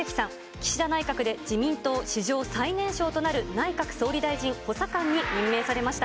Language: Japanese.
岸田内閣で自民党史上最年少となる内閣総理大臣補佐官に任命されました。